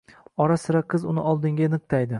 Ora-sira qiz uni oldinga niqtaydi